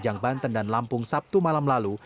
yang banten dan lampung sabtu malam lalu